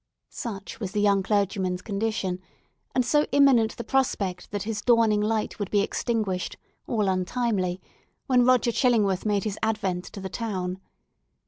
Such was the young clergyman's condition, and so imminent the prospect that his dawning light would be extinguished, all untimely, when Roger Chillingworth made his advent to the town.